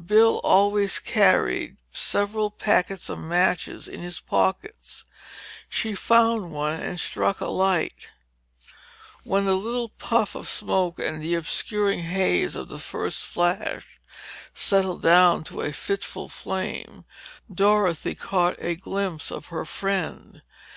Bill always carried several packets of matches in his pockets. She found one and struck a light. When the little puff of smoke and the obscuring haze of the first flash settled down to a fitful flame, Dorothy got a glimpse of her friend.